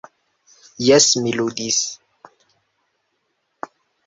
Jes, mi ludis.